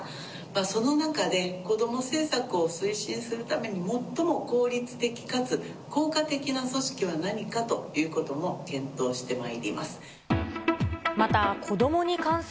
その中で子ども政策を推進するために最も効率的かつ効果的な組織は何かということも検討してまいります。